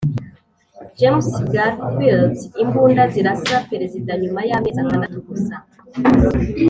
james garfield: imbunda zirasa perezida nyuma y'amezi atandatu gusa